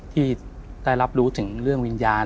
ที่ได้รับรู้ถึงเรื่องวิญญาณ